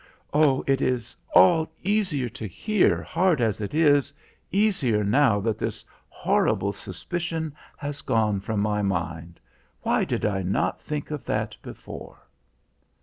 "Oh, it is all easier to hear, hard as it is, easier now that this horrible suspicion has gone from my mind why did I not think of that before?"